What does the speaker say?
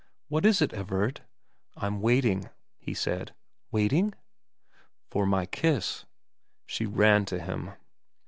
' What is it, Everard ?'' I'm waiting,' he said. ' Waiting ?'' For my kiss.' She ran to him.